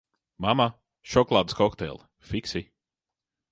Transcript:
Mamma, šokolādes kokteili, fiksi!